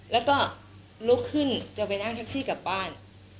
แล้วก็ลุกขึ้นจะไปนั่งแท็กซี่กลับบ้าน